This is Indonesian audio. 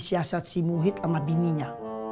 siasat si muhyidd sama bininya